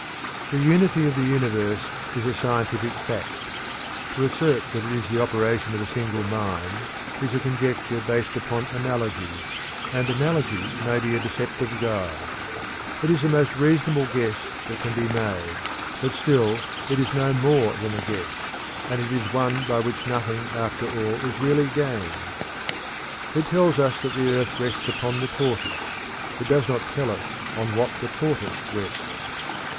The unity of the universe is a scientific fact. To assert that it is the operation of a single mind is a conjecture based upon analogy, and analogy may be a deceptive guide. It is the most reasonable guess that can be made, but still it is no more than a guess, and it is one by which nothing after all is really gained. It tells us that the earth rests upon the tortoise: it does not tell us on what the tortoise rests.